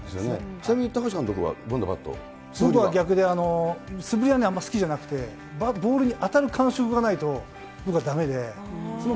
ちなみに高橋監督は、どんな僕は逆で、素振りはあんまり好きじゃなくて、ボールに当たる感触がないと僕はだめで。